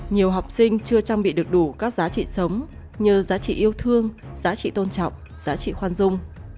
nhiều học sinh chưa trang bị được đủ các giá trị sống nhờ giá trị yêu thương giá trị tôn trọng giá trị khoan dung